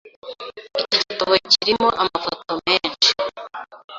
Iki gitabo kirimo amafoto menshi.